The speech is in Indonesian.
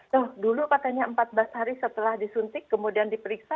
loh dulu katanya empat belas hari setelah disuntik kemudian diperiksa sembilan puluh sembilan